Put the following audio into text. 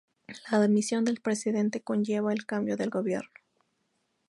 La dimisión del presidente conlleva el cambio del Gobierno.